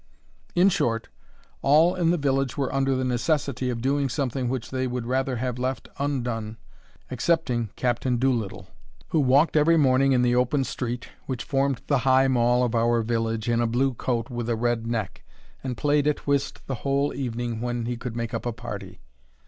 In short, all in the village were under the necessity of doing something which they would rather have left undone, excepting Captain Doolittle, who walked every morning in the open street, which formed the high mall of our village, in a blue coat with a red neck, and played at whist the whole evening, when he could make up a party.